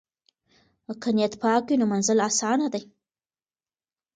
که نیت پاک وي نو منزل اسانه دی.